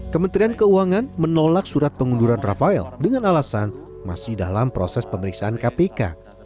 kementerian keuangan menolak surat pengunduran rafael dengan alasan masih dalam proses pemeriksaan kpk